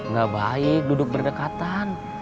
nggak baik duduk berdekatan